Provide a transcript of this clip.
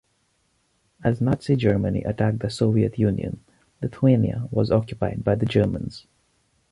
As Nazi Germany attacked the Soviet Union, Lithuania was occupied by the Germans.